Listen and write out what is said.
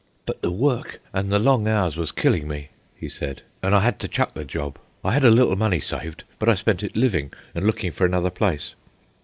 "But the work and the long hours was killing me," he said, "and I had to chuck the job. I had a little money saved, but I spent it living and looking for another place."